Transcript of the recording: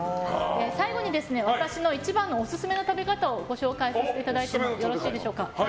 最後に私の一番のオススメの食べ方をご紹介させていただいてもよろしいでしょうか。